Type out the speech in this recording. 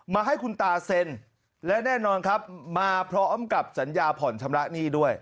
ให้คุณตาเซ็นและแน่นอนครับมาพร้อมกับสัญญาผ่อนชำระหนี้ด้วย